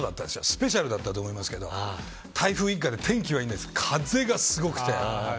スペシャルだったと思いますけど台風一過で天気はいいんですが風がすごくて。